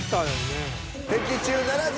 的中ならず！